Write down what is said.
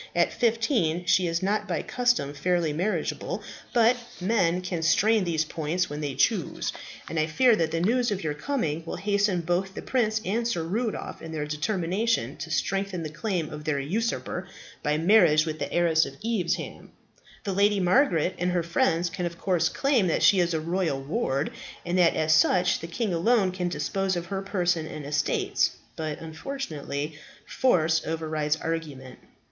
"At fifteen she is not by custom fairly marriageable; but men can strain these points when they choose; and I fear that the news of your coming will hasten both the prince and Sir Rudolph in their determination to strengthen the claim of this usurper by marriage with the heiress of Evesham. The Lady Margaret and her friends can of course claim that she is a royal ward, and that as such the king alone can dispose of her person and estates. But, unfortunately, force overrides argument."